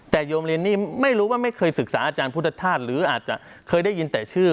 แต่โยมเรียนนี่ไม่รู้ว่าไม่เคยศึกษาอาจารย์พุทธธาตุหรืออาจจะเคยได้ยินแต่ชื่อ